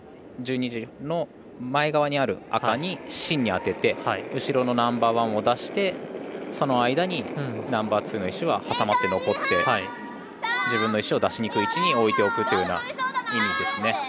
１２時の前側にある赤に芯に当てて後ろのナンバーワンを出してその間にナンバーツーの石は挟まって残って自分の石を出しにくい位置に置いていくという意味ですね。